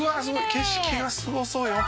景色がすごそうよ」